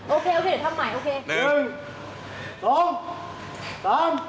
โอเคเดี๋ยวทำใหม่โอเค